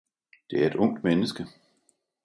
Det er et ungt menneske!